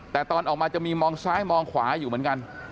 แต่ตอนออกมาจะมีมองซ้ายมองขวาอยู่เหมือนกัน